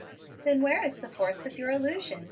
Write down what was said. "Then where is the force of your allusion?"